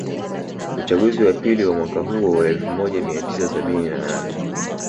Uchaguzi wa pili wa mwaka huo wa elfu moja mia tisa sabini na nane